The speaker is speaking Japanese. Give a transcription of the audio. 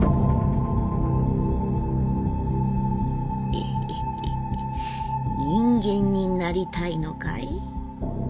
「ヒヒヒ人間になりたいのかい？